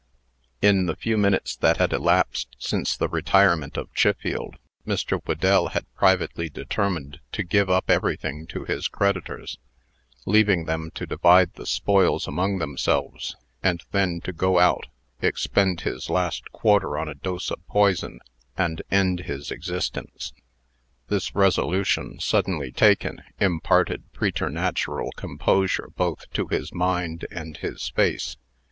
In the few minutes that had elapsed since the retirement of Chiffield, Mr. Whedell had privately determined to give up everything to his creditors, leaving them to divide the spoils among themselves, and then to go out, expend his last quarter on a dose of poison, and end his existence. This resolution, suddenly taken, imparted preternatural composure both to his mind and his face.